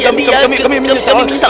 iya dia yang melakukan itu kami yang menyesal